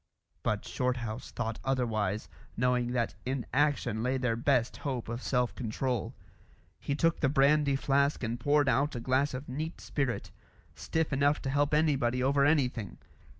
But Shorthouse thought otherwise, knowing that in action lay their best hope of self control. He took the brandy flask and poured out a glass of neat spirit, stiff enough to help anybody over anything.